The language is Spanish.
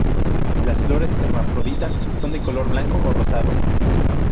Las flores, hermafroditas son de color blanco o rosado.